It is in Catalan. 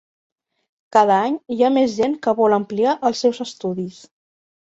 Cada any hi ha més gent que vol ampliar els seus estudis.